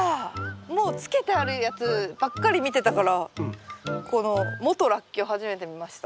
もう漬けてあるやつばっかり見てたからこの元ラッキョウ初めて見ました。